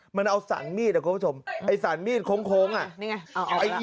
มันเอาสันมีดนะครับคุณผู้ชมไอ้สันมีดโค้งนี่ไง